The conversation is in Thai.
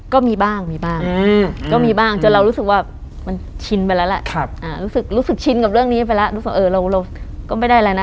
ก็มีบ้างจนเรารู้สึกว่ามันชินไปแล้วล่ะรู้สึกชินกับเรื่องนี้ไปแล้วรู้สึกว่าเออเราก็ไม่ได้แล้วนะ